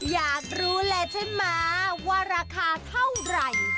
อยากรู้เลยใช่ไหมว่าราคาเท่าไหร่